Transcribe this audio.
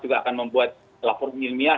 juga akan membuat laporan ilmiah